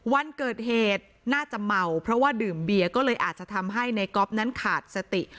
วันเกิดเหตุน่าจะเมาเพราะว่าดื่มเบียร์ก็เลยอาจจะทำให้ในก๊อฟนั้นขาดสติ